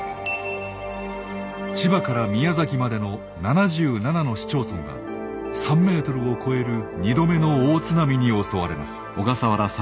千葉から宮崎までの７７の市町村は３ｍを超える２度目の大津波に襲われます。